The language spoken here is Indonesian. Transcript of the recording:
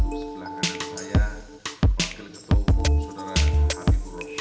sebelah kanan saya pak gilgetopo saudara habibur osman